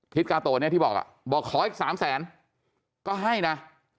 พิธีกาโตะนี้ที่บอกบอกขออีกสามแสนก็ให้นะ